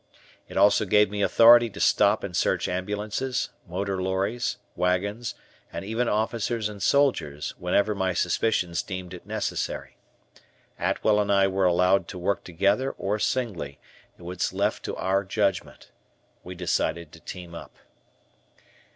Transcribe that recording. It also gave me authority to stop and search ambulances, motor lorries, wagons, and even officers and soldiers, whenever my suspicions deemed it necessary. Atwell and I were allowed to work together or singly, it was left to our judgment. We decided to team up.